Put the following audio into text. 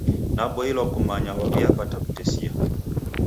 Naboilwa kumanya waw'iapata w'utesia.